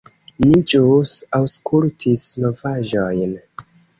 Ni ĵus aŭskultis novaĵojn.